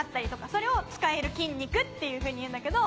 それを「使える筋肉」っていうふうに言うんだけど。